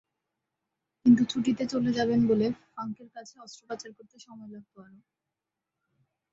কিন্তু ছুটিতে চলে যাবেন বলে ফাঙ্কের কাছে অস্ত্রোপচার করতে সময় লাগতো আরও।